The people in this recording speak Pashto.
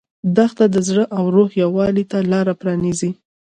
دښته د زړه او روح یووالي ته لاره پرانیزي.